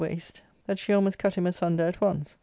^Book IIL waist that she almost cut him asunder at once.